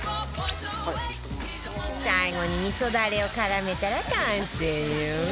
最後に味噌だれを絡めたら完成よ